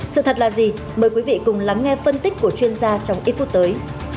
sự thật là gì mời quý vị cùng lắng nghe phân tích của chuyên gia trong ít phút tới